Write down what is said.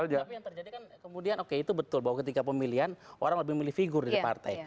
tapi yang terjadi kan kemudian oke itu betul bahwa ketika pemilihan orang lebih memilih figur dari partai